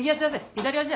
左足！